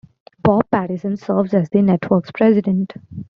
Bob Patison serves as the network's president.